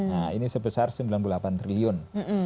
nah ini sebesar sembilan puluh delapan triliun